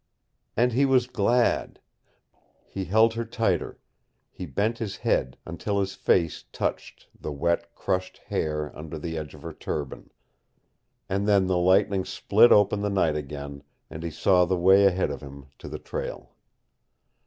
AND HE WAS GLAD! He held her tighter; he bent his head until his face touched the wet, crushed hair under the edge of her turban. And then the lightning split open the night again, and he saw the way ahead of him to the trail.